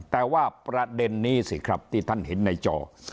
แต่ว่าประเด็นนี้สิครับที่ท่านเห็นในจอ